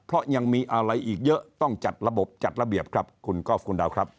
เพราะยังมีอะไรอีกเยอะต้องจัดระบบจัดระเบียบครับคุณกอล์ฟคุณดาวครับ